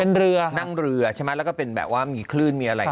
เป็นเรือนั่งเรือใช่ไหมแล้วก็เป็นแบบว่ามีคลื่นมีอะไร